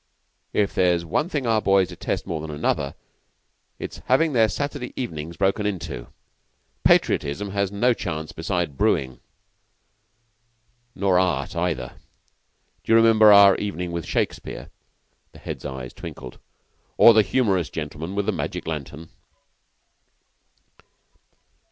"If there is one thing our boys detest more than another it is having their Saturday evenings broken into. Patriotism has no chance beside 'brewing.'" "Nor art either. D'you remember our 'Evening with Shakespeare'?" The Head's eyes twinkled. "Or the humorous gentleman with the magic lantern?"